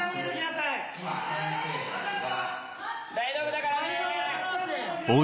・・大丈夫だからね！